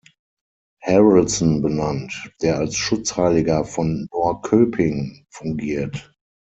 Haraldsson benannt, der als Schutzheiliger von Norrköping fungiert.